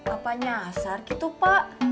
apa nyasar gitu pak